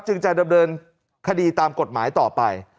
จะดำเนินคดีตามกฎหมายต่อไป